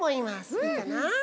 いいかな？